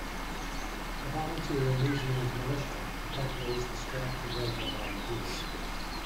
A volunteer in New Zealand's militia, he helped raised the Stratford Rifle Volunteers.